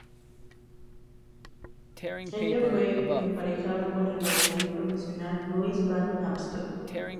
Ella fue emparejada con el bailarín profesional Louis Van Amstel.